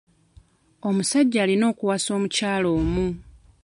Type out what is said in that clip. Omusajja alina kuwasa omukyala omu.